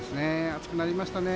暑くなりました。